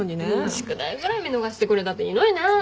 宿題ぐらい見逃してくれたっていいのにね。